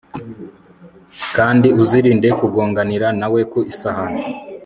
kandi uzirinde kugonganira na we ku isahani